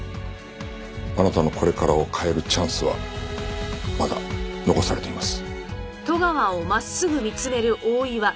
あなたのこれからを変えるチャンスはまだ残されています。